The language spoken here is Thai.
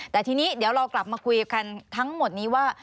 แต่ทีนี้เดี๋ยวเรากลับมาคุยกันทั้งหมดนี้ว่า